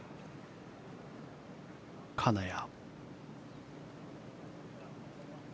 金谷。